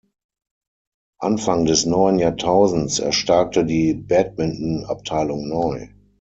Anfang des neuen Jahrtausends erstarkte die Badmintonabteilung neu.